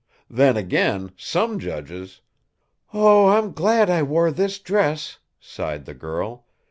Then again, some judges " "Oh, I'm glad I wore this dress!" sighed the girl.